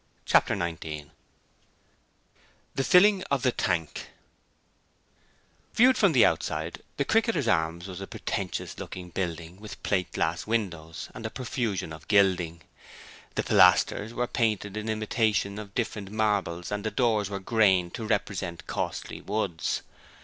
Chapter 19 The Filling of the Tank Viewed from outside, the 'Cricketers Arms' was a pretentious looking building with plate glass windows and a profusion of gilding. The pilasters were painted in imitation of different marbles and the doors grained to represent costly woods.